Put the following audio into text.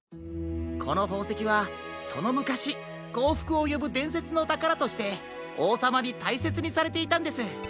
このほうせきはそのむかしこうふくをよぶでんせつのたからとしておうさまにたいせつにされていたんです。